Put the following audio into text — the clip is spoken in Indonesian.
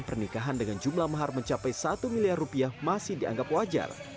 pernikahan dengan jumlah mahar mencapai satu miliar rupiah masih dianggap wajar